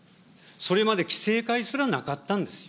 それまで期成会すらなかったんですよ。